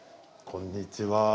こんにちは。